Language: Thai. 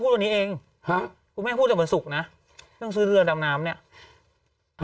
พูดตัวนี้เองกูไม่ได้พูดตัววันศุกร์นะเรื่องซื้อเรือดำน้ำเนี่ย